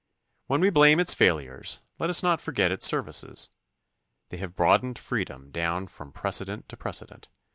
When we blame its failures let us not forget its services. They have broadened freedom down from precedent to precedent.